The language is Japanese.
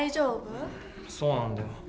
そうなんだよ。